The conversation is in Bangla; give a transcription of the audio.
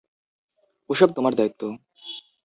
ওসব তোমার দায়িত্ব!